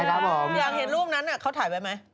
อยากเห็นรูปนั้นเขาถ่ายไว้ไหม